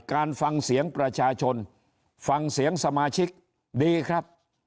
การฟังเสียงประชาชนฟังเสียงสมาชิกดีครับ